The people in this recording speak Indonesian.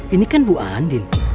ini kan bu andin